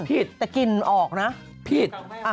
ผิดแต่กลิ่นออกนะผิด